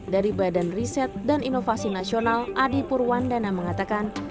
dari badan riset dan inovasi nasional adi purwandana mengatakan